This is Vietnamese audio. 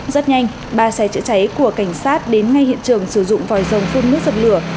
rất nhanh ba xe chữa cháy của cảnh sát đến ngay hiện trường sử dụng vòi rồng phun nước dập lửa